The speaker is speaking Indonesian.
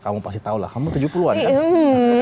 kamu pasti tahu lah kamu tujuh puluh an kan